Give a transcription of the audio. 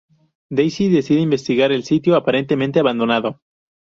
Daisy decide investigar el sitio, aparentemente abandonado.